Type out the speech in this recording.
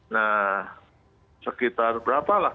nah sekitar berapa lah